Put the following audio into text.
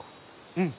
うん。